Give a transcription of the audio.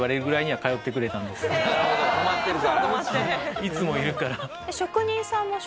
いつもいるから。